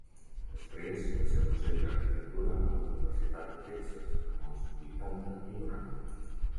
Després va ser docent d'arquitectura a la Universitat de Texas en els vuitanta i noranta.